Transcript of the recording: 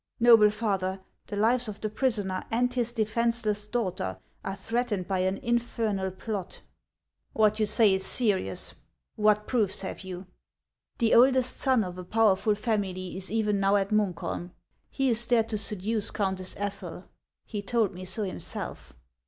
" Xoble father, the lives of the prisoner and his de fenceless daughter are threatened by an infernal plot." " What you say is serious. What proofs have you ?"" The oldest son of a powerful family is even now at Munkholm. He is there to seduce Countess Ethel; he told me so himself."